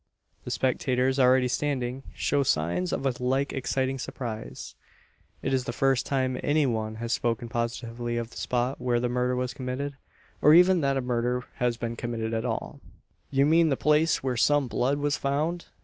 The spectators, already standing, show signs of a like exciting surprise. It is the first time any one has spoken positively of the spot where the murder was committed; or even that a murder has been committed at all! "You mean the place where some blood was found?"